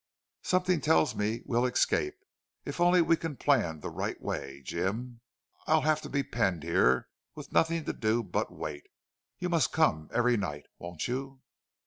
"Something tells me we'll escape, if only we can plan the right way. Jim, I'll have to be penned here, with nothing to do but wait. You must come every night!... Won't you?"